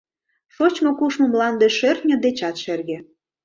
Шочмо-кушмо мланде шӧртньӧ дечат шерге.